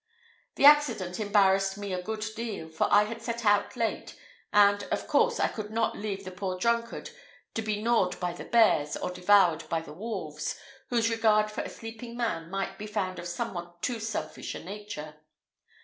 This accident embarrassed me a good deal, for I had set out late; and, of course, I could not leave the poor drunkard to be gnawed by the bears, or devoured by the wolves, whose regard for a sleeping man might be found of somewhat too selfish a nature.